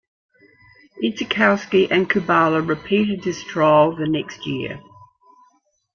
Idzikowski and Kubala repeated this trial the next year.